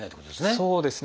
そうですね。